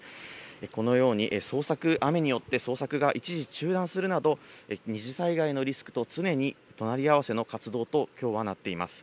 このように、雨によって捜索が一時中断するなど、二次災害のリスクと常に隣り合わせの活動と、きょうはなっています。